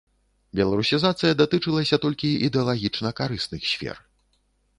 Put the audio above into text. Беларусізацыя датычылася толькі ідэалагічна карысных сфер.